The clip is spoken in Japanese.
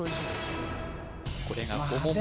これが５問目ま